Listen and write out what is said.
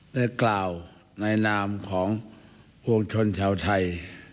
ได้กล่าวในนามของปวงชนชาวไทย